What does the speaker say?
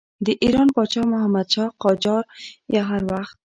د ایران پاچا محمدشاه قاجار هر وخت.